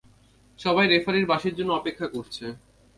সবাই রেফারির বাঁশির জন্য অপেক্ষা করছে।